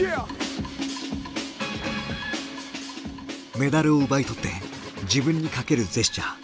メダルを奪い取って自分にかけるジェスチャー。